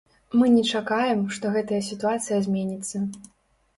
Мы не чакаем, што гэтая сітуацыя зменіцца.